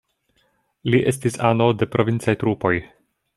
Li estis ano de provincaj trupoj.